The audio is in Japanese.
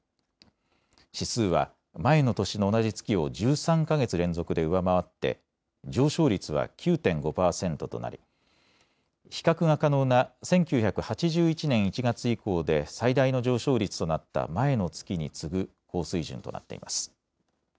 指数は前の年の同じ月を１３か月連続で上回って上昇率は９．５％となり比較が可能な１９８１年１月以降で最大の上昇率となった前の月に次ぐ高水準となっています。